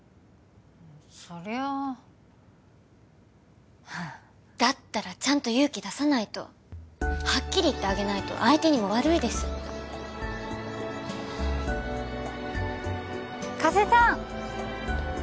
そりゃあだったらちゃんと勇気出さないとはっきり言ってあげないと相手にも悪いです加瀬さん